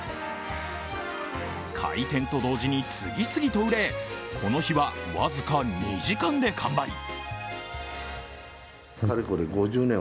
開店と同時に次々と売れ、この日は僅か２時間で完売。